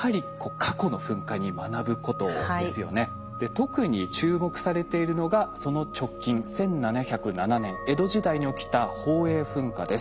特に注目されているのがその直近１７０７年江戸時代に起きた宝永噴火です。